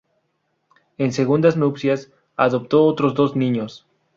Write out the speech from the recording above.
En segundas nupcias, adoptó otros dos niños.